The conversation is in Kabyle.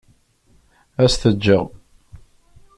Ad s-t-ǧǧeɣ.